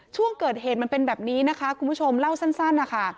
ช่วงเกิดเหตุมันเป็นแบบนี้นะคะคุณผู้ชมเล่าสั้นนะคะ